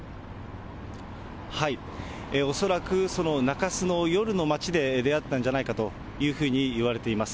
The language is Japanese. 恐らく中洲の夜の街で出会ったんじゃないかというふうにいわれています。